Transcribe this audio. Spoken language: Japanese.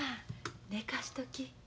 寝かしとき。